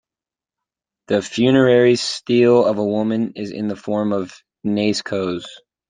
The Funerary Stele of a Woman is in the form of a "naiskos".